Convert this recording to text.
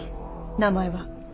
名前は？